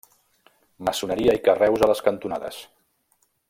Maçoneria i carreus a les cantonades.